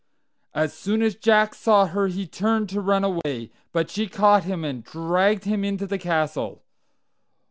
As soon as Jack saw her he turned to run away, but she caught him, and dragged him into the castle.